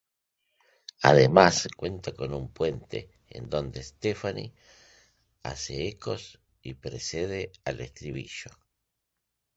Además, cuenta con un puente, en donde Stefani hace ecos y precede al estribillo.